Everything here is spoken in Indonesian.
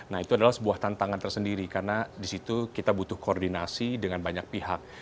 nah itu adalah sebuah tantangan tersendiri karena di situ kita butuh koordinasi dengan banyak pihak